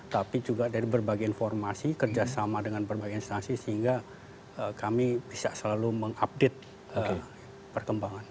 tapi juga dari berbagai informasi kerjasama dengan berbagai instansi sehingga kami bisa selalu mengupdate perkembangan